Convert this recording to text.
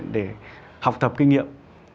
để học tập kinh nghiệm